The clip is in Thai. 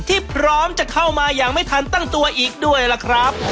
ที่พร้อมจะเข้ามาอย่างไม่ทันตั้งตัวอีกด้วยล่ะครับ